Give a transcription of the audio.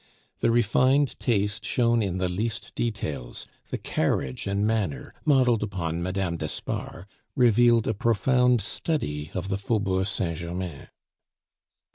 The refined taste shown in the least details, the carriage and manner modeled upon Mme. d'Espard, revealed a profound study of the Faubourg Saint Germain.